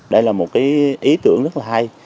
đây là một ý tưởng rất hay